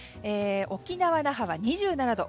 沖縄・那覇は２７度。